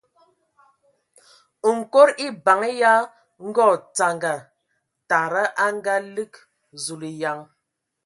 Nkod eban ya Ngondzanga tada a ngalig Zulǝyan!